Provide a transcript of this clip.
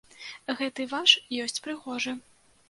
Гэты ваш ёсць прыгожы.